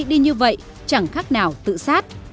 đi như vậy chẳng khác nào tự sát